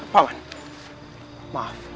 pak man maaf